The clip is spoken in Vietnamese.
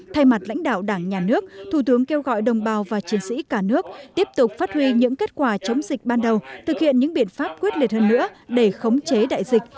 thay mặt lãnh đạo đảng nhà nước thủ tướng kêu gọi đồng bào và chiến sĩ cả nước tiếp tục phát huy những kết quả chống dịch ban đầu thực hiện những biện pháp quyết liệt hơn nữa để khống chế đại dịch